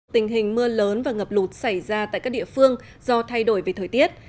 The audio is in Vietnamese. tình hình mưa lớn và ngập lụt xảy ra tại các địa phương do thay đổi về thời tiết